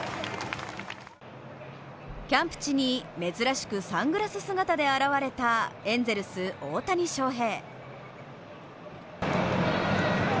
キャンプ地に珍しくサングラス姿で現れたエンゼルス、大谷翔平。